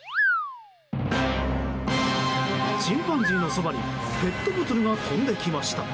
チンパンジーのそばにペットボトルが飛んできました。